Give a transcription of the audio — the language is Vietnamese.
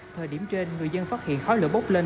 thời điểm trên người dân phát hiện khói lửa bốc lên